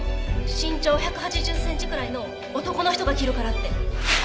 身長１８０センチくらいの男の人が着るからって。